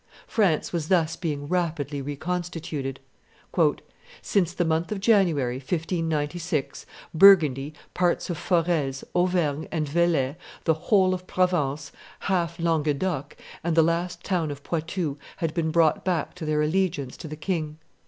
France was thus being rapidly reconstituted. "Since the month of January, 1596, Burgundy, parts of Forez, Auvergne, and Velay, the whole of Provence, half Languedoc, and the last town of Poitou had been brought back to their allegiance to the king.